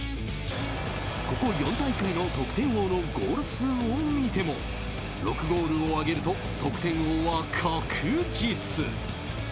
ここ４大会の得点王のゴール数を見ても６ゴールを挙げると得点王は確実。